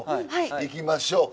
行きましょう。